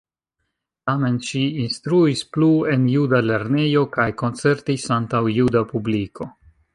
Tamen ŝi instruis plu en juda lernejo kaj koncertis antaŭ juda publiko.